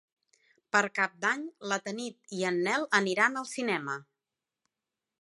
Per Cap d'Any na Tanit i en Nel aniran al cinema.